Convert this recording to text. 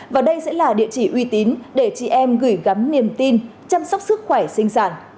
và đây sẽ là địa chỉ uy tín để chị em gửi gắm niềm tin chăm sóc sức khỏe sinh sản